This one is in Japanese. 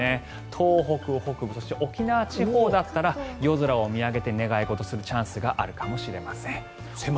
東北北部そして沖縄地方だったら夜空を見上げて願い事するチャンスがあるかもしれません。